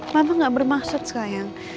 mama gak bermaksud sayang